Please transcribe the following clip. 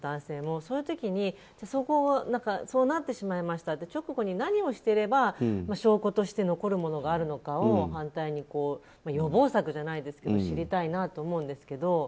その時にそうなってしまいました、直後に何をしていれば、証拠として残るものがあるのかを反対に予防策じゃないですけど知りたいなと思うんですけど。